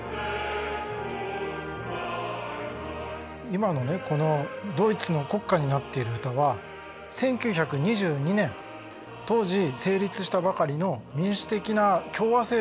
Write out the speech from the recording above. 今のねこのドイツの国歌になっている歌は１９２２年当時成立したばかりの民主的な共和政